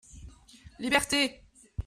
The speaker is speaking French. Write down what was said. Liberté !